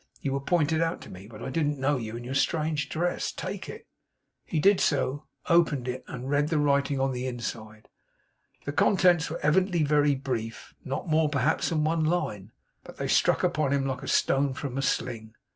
You were pointed out to me, but I didn't know you in your strange dress. Take it!' He did so, opened it, and read the writing on the inside. The contents were evidently very brief; not more perhaps than one line; but they struck upon him like a stone from a sling.